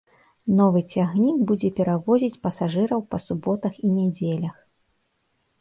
Новы цягнік будзе перавозіць пасажыраў па суботах і нядзелях.